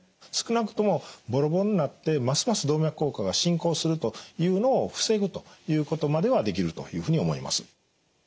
少なくともボロボロになってますます動脈硬化が進行するというのを防ぐということまではできるというふうに思います。